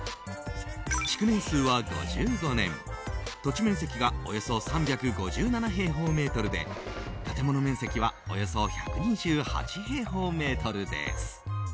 築年数は５５年土地面積がおよそ３５７平方メートルで建物面積はおよそ１２８平方メートルです。